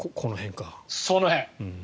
その辺。